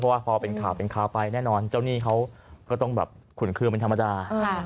เพราะว่าพอเป็นข่าวเป็นข่าวไปแน่นอนเจ้าหนี้เขาก็ต้องแบบขุนเครื่องเป็นธรรมดา